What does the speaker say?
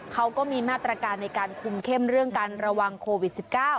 เขาก็มีมาตรการในการคุมเข้มเรื่องการระวังโควิด๑๙